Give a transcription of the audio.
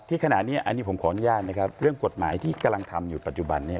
ขณะนี้อันนี้ผมขออนุญาตนะครับเรื่องกฎหมายที่กำลังทำอยู่ปัจจุบันนี้